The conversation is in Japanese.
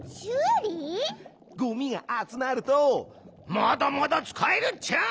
ゴミがあつまると「まだまだつかえるっちゃ！」